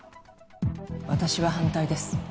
私は反対です。